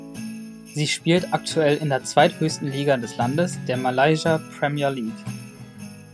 Sie spielt aktuell in der zweithöchsten Liga des Landes, der Malaysia Premier League.